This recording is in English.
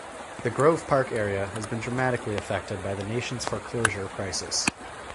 The Grove Park area has been dramatically affected by the nation's foreclosure crisis.